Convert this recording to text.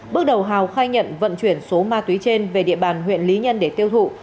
bước đầu hào khai nhận vận chuyển số ma túy trên về địa bàn huyện lý nhân để tiêu thụ